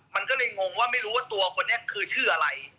มันก็เลยงงว่าไม่รู้ว่าตัวคนนี้คือชื่ออะไร